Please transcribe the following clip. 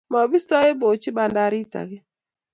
mabistoi boochi bandarit akeny.